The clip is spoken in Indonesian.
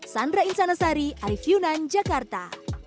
sandra insanasari arif yunan jakarta